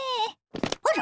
あら！